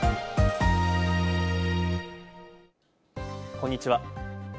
こんにちは。